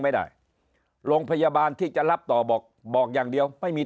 ไม่ได้โรงพยาบาลที่จะรับต่อบอกบอกอย่างเดียวไม่มี